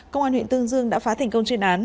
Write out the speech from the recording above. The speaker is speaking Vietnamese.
công an huyện tương dương đã phá thành công chuyên án